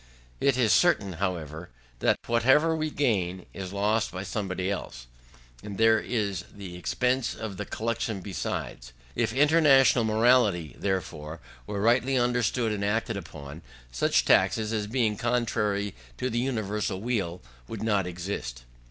It is certain, however, that whatever we gain, is lost by somebody else, and there is the expense of the collection besides: if international morality, therefore, were rightly understood and acted upon, such taxes, as being contrary to the universal weal, would not exist.